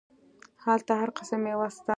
هلته هر قسم ميوه سته.